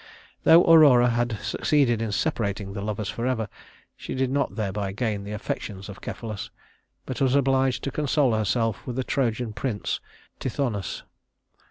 Though Aurora had succeeded in separating the lovers forever, she did not thereby gain the affections of Cephalus, but was obliged to console herself with the Trojan prince, Tithonus.